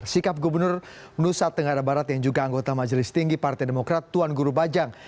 sikap gubernur nusa tenggara barat yang juga anggota majelis tinggi partai demokrat tuan guru bajang